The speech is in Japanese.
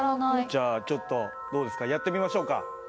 じゃあちょっとどうですかやってみましょうか。